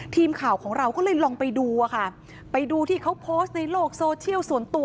ทีมข่าวของเราก็เลยลองไปดูอะค่ะไปดูที่เขาโพสต์ในโลกโซเชียลส่วนตัว